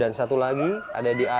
dan satu lagi ada di icu